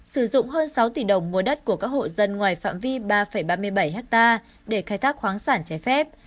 sử dụng hơn sáu tỷ đồng mua đất của các hộ dân ngoài phạm vi ba ba mươi bảy hectare để khai thác khoáng sản trái phép